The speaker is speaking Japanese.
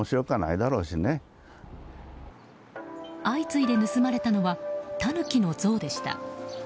相次いで盗まれたのはタヌキの像でした。